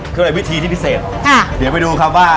ก็เลยวิธีที่พิเศษเดี๋ยวไปดูครับว่า